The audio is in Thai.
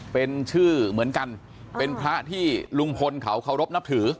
เป็นชื่อเหมือนกันเป็นพระที่ลุงพลเขาเคารพนับถือ